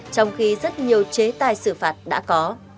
trong khi rất nhiều chế tài xử phạt đã có